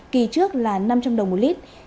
kỳ trước là năm trăm linh đồng một lit